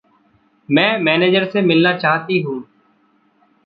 मैं मैनेजर से मिलना चाह्ती हूँ।